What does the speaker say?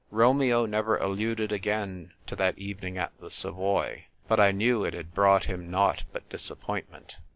Romeo never alluded again to that evening at the Savoy ; but I knew it had brought him nought but disappointment.